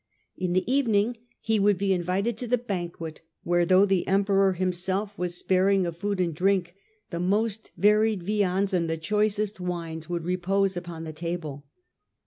In the evening he would be invited to the banquet, where, though the Emperor himself was sparing of food and drink, the most varied viands and the choicest wines would repose upon the table.